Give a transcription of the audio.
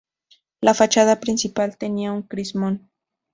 La fachada principal tenía un crismón.